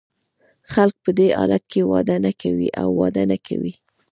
خلګ په دې حالت کې واده نه کوي او واده نه کوي.